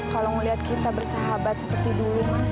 kalau ngeliat kita bersahabat seperti dulu mas